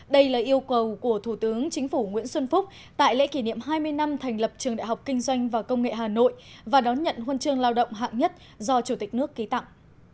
đây là yêu cầu của thủ tướng chính phủ nguyễn xuân phúc tại lễ kỷ niệm hai mươi năm thành lập trường đại học kinh doanh và công nghệ hà nội và đón nhận huân chương lao động hạng nhất do chủ tịch nước ký tặng